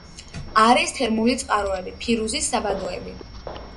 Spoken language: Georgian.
არის თერმული წყაროები, ფირუზის საბადოები.